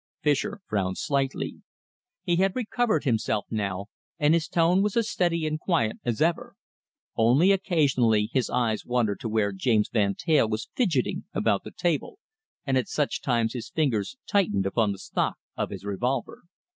Fischer frowned slightly. He had recovered himself now, and his tone was as steady and quiet as ever. Only occasionally his eyes wandered to where James Van Teyl was fidgetting about the table, and at such times his fingers tightened upon the stock of his revolver.